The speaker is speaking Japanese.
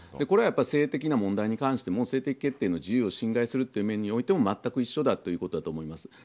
これは性的な問題に関しても性的決定の自由を侵害するという面においても全く一緒だということだと思います。